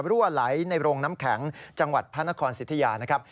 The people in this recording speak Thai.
รั่วไหลในโรงน้ำแข็งจังหวัดพระนครสิทธิยานะครับ